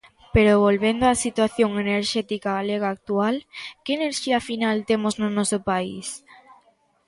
Pero volvendo á situación enerxética galega actual: que enerxía final temos no noso país?